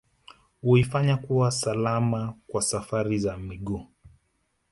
Huifanya kuwa salama kwa safari za miguu